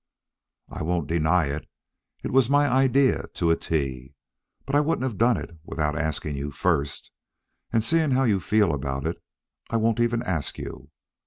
"I won't deny it. It was my idea to a tee. But I wouldn't have done it without asking you first, and seeing how you feel about it, I won't even ask you.